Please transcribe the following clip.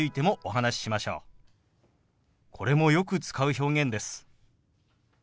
これもよく使う表現です。